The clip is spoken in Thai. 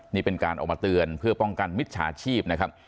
นี่เป็นการออกมาเตือนเพื่อป้องกันมิจฉาชีพนะครับ